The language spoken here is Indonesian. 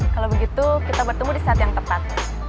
kalau begitu kita bertemu di saat yang tepat